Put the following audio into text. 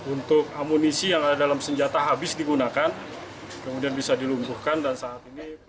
untuk amunisi yang ada dalam senjata habis digunakan kemudian bisa dilumpuhkan dan saat ini